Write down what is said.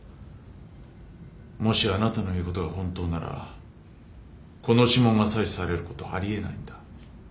もしあなたの言うことが本当ならこの指紋が採取されることはあり得ないんだ。